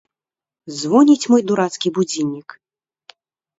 Звоніць мой дурацкі будзільнік!